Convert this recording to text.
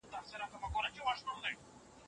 فرد بايد تر هغه وخته د دولت اطاعت وکړي.